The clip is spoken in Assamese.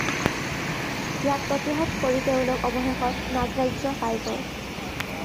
ইয়াক প্ৰতিহত কৰি তেওঁলোক অৱশেষত নাগৰাজ্য পায়গৈ।